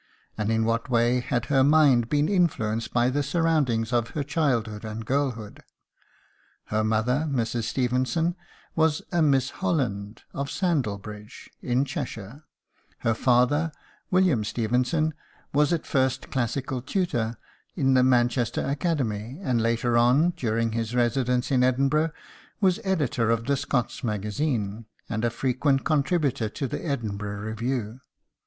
And in what way had her mind been influenced by the surroundings of her childhood and girlhood? Her mother, Mrs. Stevenson, was a Miss Holland, of Sandlebridge, in Cheshire; her father William Stevenson was at first classical tutor in the Manchester Academy, and later on, during his residence in Edinburgh, was editor of the Scots Magazine and a frequent contributor to the Edinburgh Review.